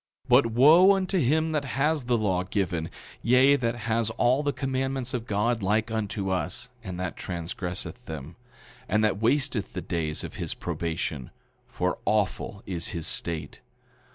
9:27 But wo unto him that has the law given, yea, that has all the commandments of God, like unto us, and that transgresseth them, and that wasteth the days of his probation, for awful is his state!